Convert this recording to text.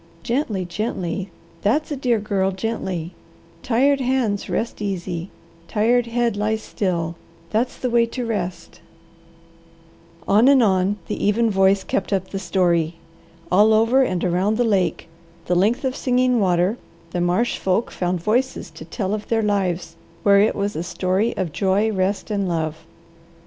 Gently, gently, that's a dear girl, gently! Tired hands rest easy, tired head lies still! That's the way to rest " On and on the even voice kept up the story. All over and around the lake, the length of Singing Water, the marsh folk found voices to tell of their lives, where it was a story of joy, rest, and love.